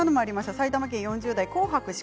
埼玉県４０代の方。